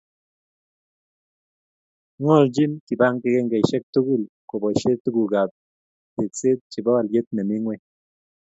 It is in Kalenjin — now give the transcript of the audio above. ngoljin kibagengeishek tugul kobaishe tukuk ab tekset chebo alyet nemii ngweny